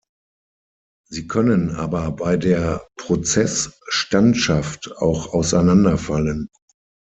Sie können aber bei der Prozessstandschaft auch auseinanderfallen.